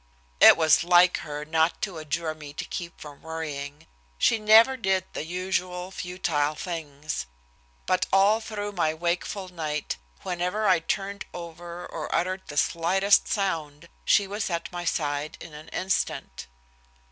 It was like her not to adjure me to keep from worrying. She never did the usual futile things. But all through my wakeful night, whenever I turned over or uttered the slightest sound, she was at my side in an instant.